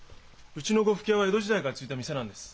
うちの呉服屋は江戸時代から続いた店なんです。